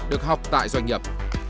được học tại doanh nhập